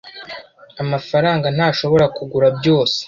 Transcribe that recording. Amafaranga ntashobora kugura byose.